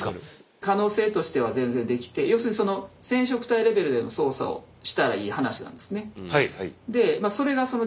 可能性としては全然できて要するにその染色体レベルでの操作をしたらいい話なんですね。